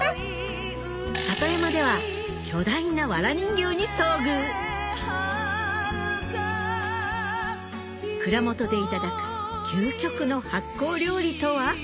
里山では巨大なわら人形に遭遇蔵元でいただく究極の発酵料理とは？